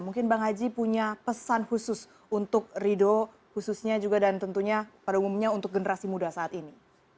mungkin bang haji punya pesan khusus untuk rido khususnya juga dan tentunya pada umumnya untuk generasi muda saat ini